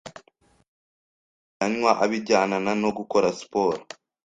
bisaba ko ayanywa abijyanana no gukora siporo,